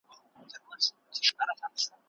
لښتې په خپلو لاسو د نغري د تودوخې ننداره کوله.